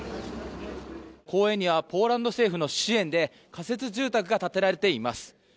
公園にはポーランド政府の支援で仮設住宅が建てられています。